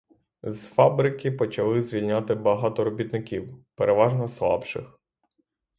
З фабрики почали звільняти багато робітників, переважно слабших.